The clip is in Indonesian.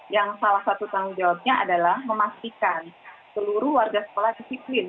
yang salah satu tanggung jawabnya adalah memastikan seluruh warga sekolah disiplin